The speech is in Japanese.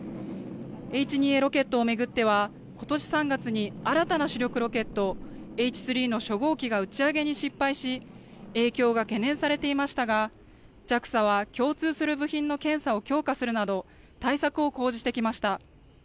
Ｈ２Ａロケットを巡ってはことし３月に新たな主力ロケット、Ｈ３の初号機が打ち上げに失敗し影響が懸念されていましたがＪＡＸＡは共通する部品の検査を強化するなど対策を講じてきました。